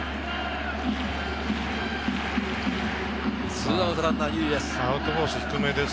２アウトランナー２塁です。